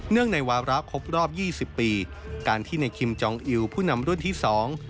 ในวาระครบรอบยี่สิบปีการที่ในคิมจองอิวผู้นำรุ่นที่สอง